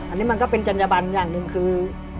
อันนี้มันก็เป็นจัญญบันอย่างหนึ่งคือ